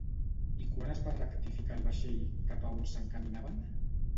I quan es va rectificar el vaixell cap a on s'encaminaven?